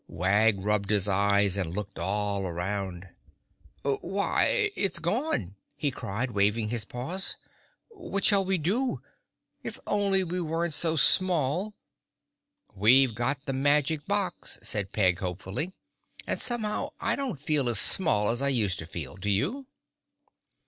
Wag rubbed his eyes and looked all around. "Why, it's gone!" he cried, waving his paws. "What shall we do? If only we weren't so small!" "We've got the magic box," said Peg hopefully, "and somehow I don't feel as small as I used to feel; do you?"